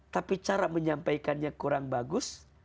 tapi cara menyampaikannya kurang bagus